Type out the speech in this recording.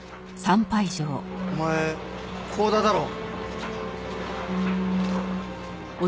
お前光田だろ？